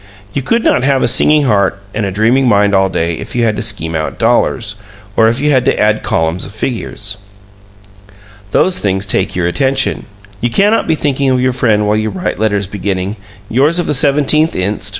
You could not have a singing heart and a dreaming mind all day if you had to scheme out dollars, or if you had to add columns of figures. Those things take your attention. You cannot be thinking of your friend while you write letters beginning "Yours of the 17th inst.